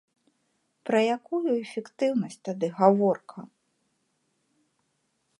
Пра якую эфектыўнасці тады гаворка!